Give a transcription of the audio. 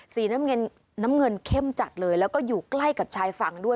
น้ำเงินเข้มจัดเลยแล้วก็อยู่ใกล้กับชายฝั่งด้วย